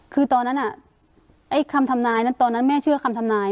คือตอนนั้นคำทำนายนั้นตอนนั้นแม่เชื่อคำทำนาย